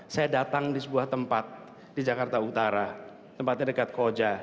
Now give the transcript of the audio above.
saya datang di sebuah tempat di jakarta utara tempatnya dekat koja